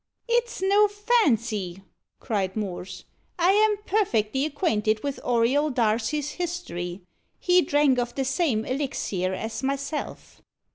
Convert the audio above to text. "It's no fancy," cried Morse. "I am perfectly acquainted with Auriol Darcy's history. He drank of the same elixir as myself."